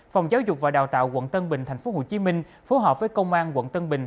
phòng giáo dục và đào tạo quận tân bình tp hcm phối hợp với công an quận tân bình